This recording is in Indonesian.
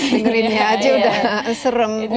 tinggalin aja udah serem